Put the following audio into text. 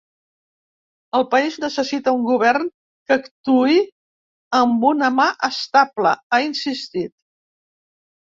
“El país necessita un govern que actuï amb una mà estable”, ha insistit.